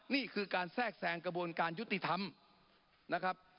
นี่คือการแทรกแทรงกระบวนการยุติธรรมนะครับ